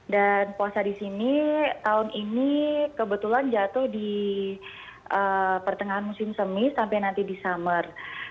dan puasa di sini tahun ini kebetulan jatuh di pertengahan musim semis sampai nanti di summer